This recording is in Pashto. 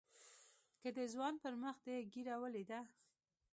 که د ځوان پر مخ دې ږيره وليده.